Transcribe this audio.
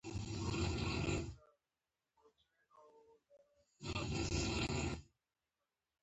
پخوا هلته یو لرګي ماتوونکی اوسیده.